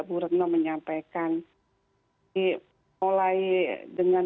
burung menyampaikan di mulai dengan